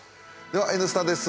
では「Ｎスタ」です。